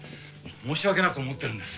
申し訳なく思っているんです